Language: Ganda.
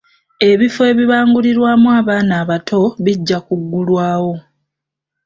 Ebifo ebibangulirwamu abaana abato bijja kuggulwawo.